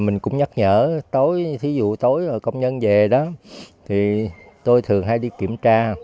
mình cũng nhắc nhở tối thí dụ tối công nhân về đó thì tôi thường hay đi kiểm tra